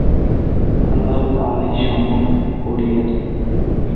আল্লাহ তাআলাই সম্যক পরিজ্ঞাত।